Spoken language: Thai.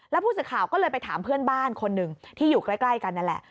แล้วผู้สื่อข่าวก็เลยไปถามเพื่อนบ้านคนหนึ่งที่อยู่ใกล้กันนั่นแหละ